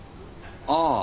ああ。